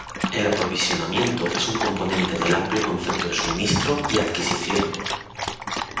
El aprovisionamiento es un componente del amplio concepto de suministro y adquisición.